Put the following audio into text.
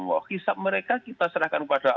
wahisab mereka kita serahkan kepada allah